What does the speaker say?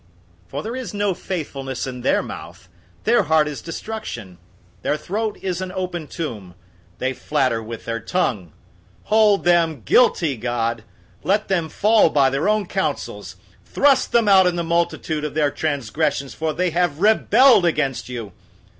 005:009 For there is no faithfulness in their mouth. Their heart is destruction. Their throat is an open tomb. They flatter with their tongue. 005:010 Hold them guilty, God. Let them fall by their own counsels; Thrust them out in the multitude of their transgressions, for they have rebelled against you.